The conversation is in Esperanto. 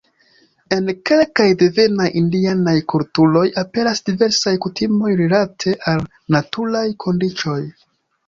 En kelkaj devenaj indianaj kulturoj aperas diversaj kutimoj rilate al naturaj kondiĉoj.